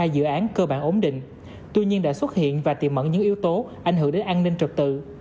hai dự án cơ bản ổn định tuy nhiên đã xuất hiện và tìm mẫn những yếu tố ảnh hưởng đến an ninh trật tự